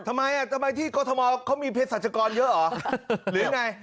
ทำไมที่ก็ทมเขามีเพศศาชกรเยอะหรือไง